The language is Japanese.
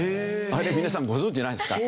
あれ皆さんご存じないですか？